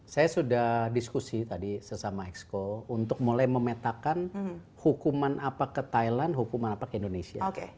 saya sudah diskusi tadi sesama exco untuk mulai memetakan hukuman apa ke thailand hukuman apa ke indonesia